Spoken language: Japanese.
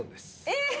えっ？